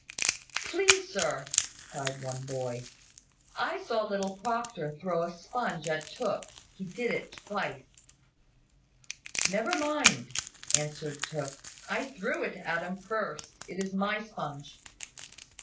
"Please, sir," cried one boy, "I saw little Proctor throw a sponge at Tooke. He did it twice." "Never mind!" answered Tooke. "I threw it at him first. It is my sponge."